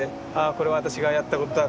これは私がやったことだ